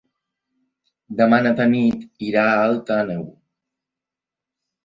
Demà na Tanit irà a Alt Àneu.